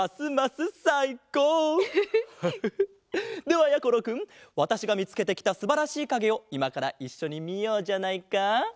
ではやころくんわたしがみつけてきたすばらしいかげをいまからいっしょにみようじゃないか。